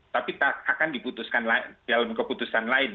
tapi akan diputuskan dalam keputusan lain